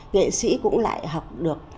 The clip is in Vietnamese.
nghệ sĩ cũng lại học được